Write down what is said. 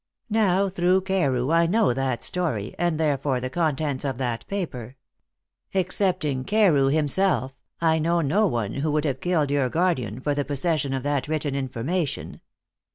Now, through Carew I know that story, and therefore the contents of that paper. Excepting Carew himself, I know no one who would have killed your guardian for the possession of that written information."